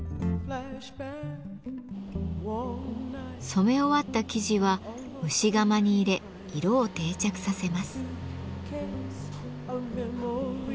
染め終わった生地は蒸し釜に入れ色を定着させます。